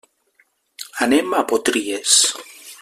Anem a Potries.